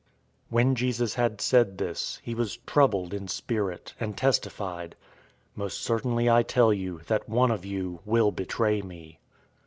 013:021 When Jesus had said this, he was troubled in spirit, and testified, "Most certainly I tell you that one of you will betray me."